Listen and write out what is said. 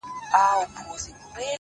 زه د یویشتم قرن غضب ته فکر نه کوم،